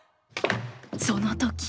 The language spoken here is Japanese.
その時。